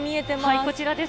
こちらです。